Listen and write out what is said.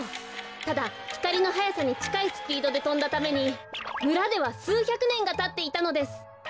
ただひかりのはやさにちかいスピードでとんだためにむらではすうひゃくねんがたっていたのです。